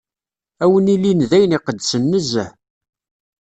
Ad wen-ilin d ayen iqedsen nezzeh.